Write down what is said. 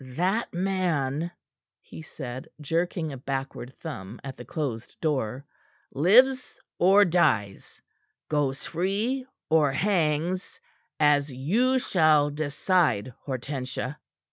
"That man," he said, jerking a backward thumb at the closed door, "lives or dies, goes free or hangs, as you shall decide, Hortensia."